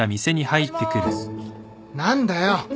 何だよ。